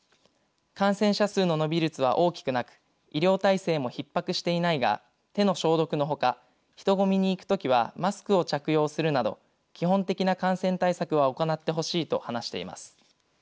感染者数の伸び率は大きくなく医療体制もひっ迫していないが手の消毒のほか人混みに行くときはマスクを着用するなど基本的な感染対策は行ってほしいと話しています。